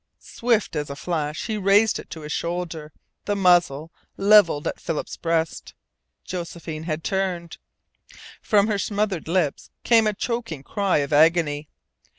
Swift as a flash he raised it to his shoulder, the muzzle levelled at Philip's breast. Josephine had turned. From her smothered lips came a choking cry of agony.